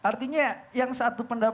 artinya yang satu pendapat tadi itu